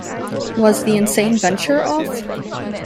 Was the insane venture off?